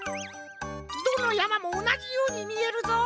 どのやまもおなじようにみえるぞ。